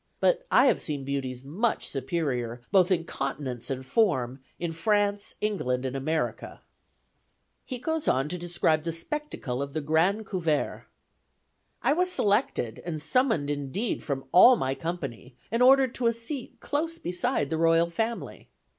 But I have seen beauties much superior, both in countenance and form, in France, England, and America." [Illustration: JOHN ADAMS Painted by Gilbert Stuart] He goes on to describe the spectacle of the grand couvert: "I was selected, and summoned indeed, from all my company, and ordered to a seat close beside the royal family.